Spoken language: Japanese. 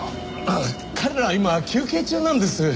ああ彼らは今休憩中なんです。